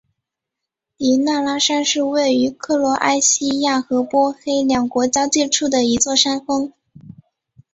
迪纳拉山是位于克罗埃西亚和波黑两国交界处的一座山峰。